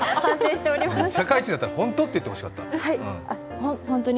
社会人だったらホント？って言ってほしかった。